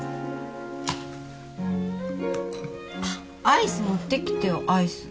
アイス持ってきてよアイス。